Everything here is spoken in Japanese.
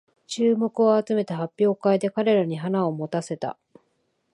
注目を集めた発表会で彼らに花を持たせた